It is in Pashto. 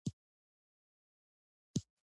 که چېرې تاسې کې د اغیزمنو خبرو اترو وړتیا نشته وي.